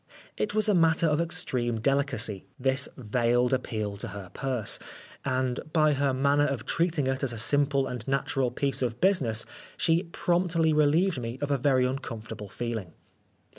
It was a matter of extreme delicacy, this veiled 136 Oscar Wilde appeal to her purse ; and by her manner of treating it as a simple and natural piece of business, she promptly relieved me of a very uncomfortable feeling.